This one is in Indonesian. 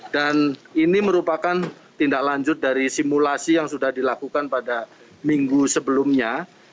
dan ini merupakan tindak lanjut dari simulasi yang sudah dilakukan pada minggu sebelumnya